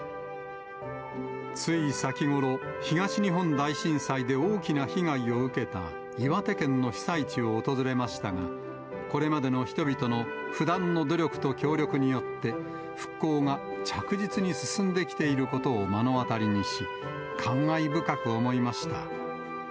つい先ごろ、東日本大震災で大きな被害を受けた岩手県の被災地を訪れましたが、これまでの人々の不断の努力と協力によって、復興が着実に進んできていることを目の当たりにし、感慨深く思いました。